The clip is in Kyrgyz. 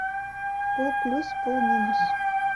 Бул плюс, бул минус.